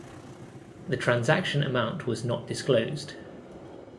The transaction amount was not disclosed.